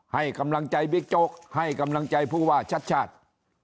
ให้กำลังใจบิ๊กโจ๊กให้กำลังใจผู้ว่าชัดชาติ